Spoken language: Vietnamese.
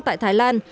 tại thái lan